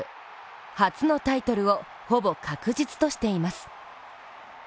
初のタイトルをほぼ確実としています。